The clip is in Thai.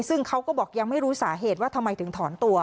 ซึ่งเขาก็บอกยังไม่รู้สาเหตุว่าทำไมถึงถอนตัว